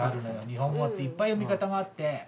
日本語っていっぱい読み方があって。